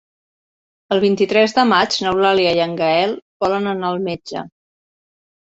El vint-i-tres de maig n'Eulàlia i en Gaël volen anar al metge.